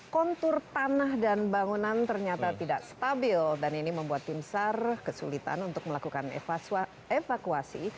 kontur tanah dan bangunan ternyata tidak stabil dan ini membuat tim sar kesulitan untuk melakukan evakuasi